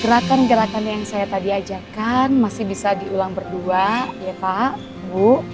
gerakan gerakan yang saya tadi ajakan masih bisa diulang berdua ya pak bu